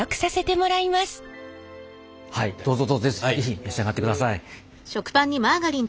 はいどうぞどうぞ是非召し上がってください。